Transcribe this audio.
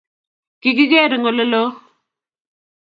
Kigigeer eng oleloo